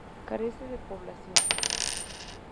Carece de población.